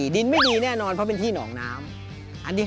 ดินไม่ดีแน่นอนเพราะเป็นที่หนองน้ำ